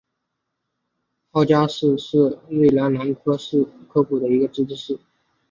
赫加奈斯市是瑞典南部斯科讷省的一个自治市。